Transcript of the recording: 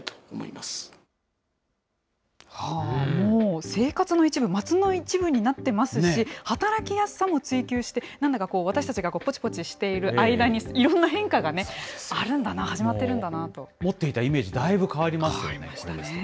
もう生活の一部、街の一部になっていますし、働きやすさも追求して、なんだか私たちがぽちぽちしている間にいろんな変化があるんだな、始まってい持っていたイメージ、だいぶ変わりますよね。